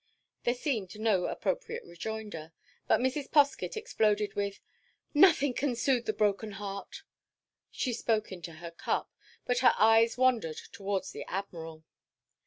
There seemed no appropriate rejoinder, but Mrs. Poskett exploded with "Nothing can soothe the broken heart." She spoke into her cup, but her eyes wandered towards the Admiral.